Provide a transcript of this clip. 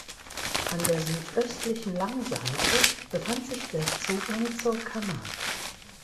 An der südöstlichen Langseite befand sich der Zugang zur Kammer.